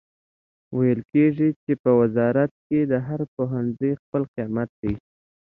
ویل کیږي چې په وزارت کې د هر پوهنځي خپل قیمت دی